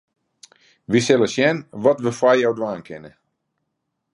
Wy sille sjen wat we foar jo dwaan kinne.